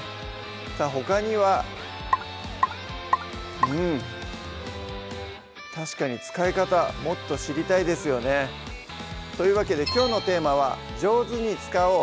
さぁほかにはうん確かに使い方もっと知りたいですよねというわけできょうのテーマは「上手に使おう！